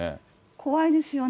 怖いですよね。